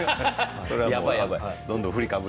やばいやばい。